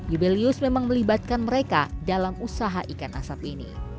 yubelius memang melibatkan mereka dalam usaha ikan asap ini